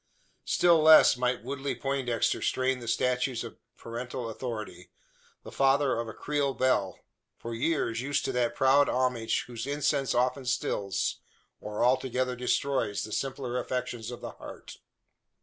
Still less might Woodley Poindexter strain the statutes of parental authority the father of a Creole belle for years used to that proud homage whose incense often stills, or altogether destroys, the simpler affections of the heart.